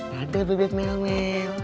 dadah bebek melmel